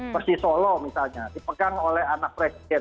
persisolo misalnya dipegang oleh anak presiden